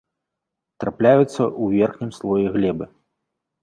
Трапляюцца ў верхнім слоі глебы.